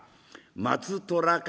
松虎か」。